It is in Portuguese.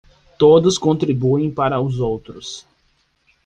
Todos contribuem para os outros